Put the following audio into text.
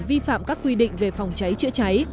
vi phạm các quy định về phòng cháy chữa cháy